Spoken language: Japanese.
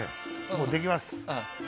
もうできます。